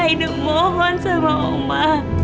hidup mohon sama oma